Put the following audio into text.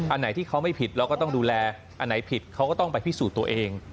อันไหนที่เขาไม่ผิดเราก็ต้องดูแลอันไหนผิดเขาก็ต้องไปพิสูจน์ตัวเอง